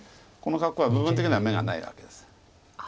この格好は部分的には眼がないわけです。